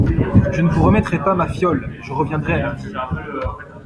Je ne vous remettrai pas ma fiole… et je reviendrai à midi !